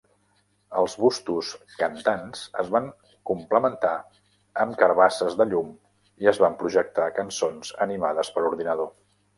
Els bustos cantants es van complementar amb carbasses de llum i es van projectar cançons animades per ordinador.